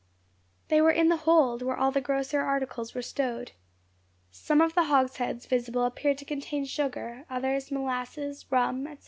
They were in the hold where all the grosser articles were stowed. Some of the hogsheads visible appeared to contain sugar, others molasses, rum, &c.